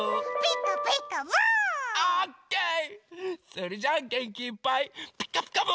それじゃあげんきいっぱい「ピカピカブ！」